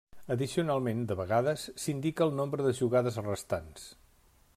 Addicionalment, de vegades, s'indica el nombre de jugades restants.